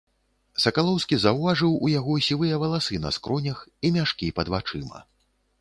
Сакалоўскі заўважыў у яго сівыя валасы на скронях і мяшкі пад вачыма.